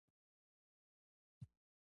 په راپورتاژ کښي مختلیف موضوعات راځي.